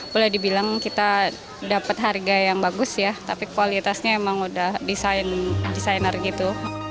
boleh dibilang kita dapat harga yang bagus ya tapi kualitasnya emang udah desainer gitu